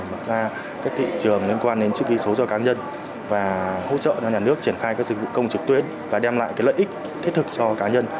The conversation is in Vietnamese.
mở ra các thị trường liên quan đến chữ ký số cho cá nhân và hỗ trợ cho nhà nước triển khai các dịch vụ công trực tuyến và đem lại lợi ích thiết thực cho cá nhân